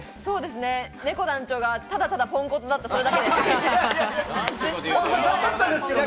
ねこ団長がただただポンコツだった、それだけです。